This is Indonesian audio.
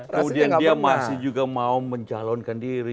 kemudian dia masih juga mau mencalonkan diri